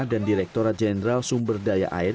dan direkturat jenderal sumber daya air